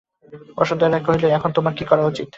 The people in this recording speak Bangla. বসন্ত রায় কহিলেন, এখন তোমার কী করা হয়?